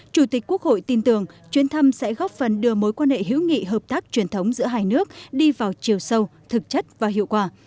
chủ tịch quốc hội tin tưởng chuyến thăm sẽ góp phần đưa mối quan hệ hữu nghị hợp tác truyền thống giữa hai nước đi vào chiều sâu thực chất và hiệu quả